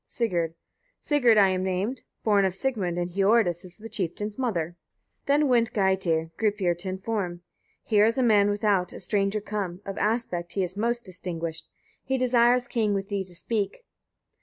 Sigurd. Sigurd I am named, born of Sigmund, and Hiordis is the chieftain's mother. 4. Then went Geitir, Gripir to inform: "Here is a man without, a stranger, come; of aspect he is most distinguished. He desires, king! with thee to speak."